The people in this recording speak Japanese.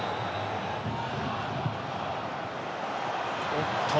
おっと。